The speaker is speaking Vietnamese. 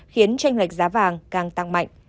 khiến tranh lệch giá vàng càng tăng mạnh